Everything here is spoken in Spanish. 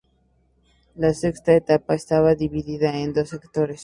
La sexta etapa estaba dividida en dos sectores.